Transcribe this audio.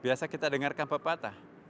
biasa kita dengarkan pepatah